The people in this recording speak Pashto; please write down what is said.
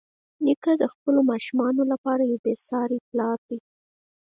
نیکه د خپلو ماشومانو لپاره یو بېساري پلار دی.